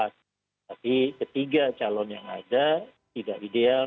tapi ketiga calon yang ada tidak ideal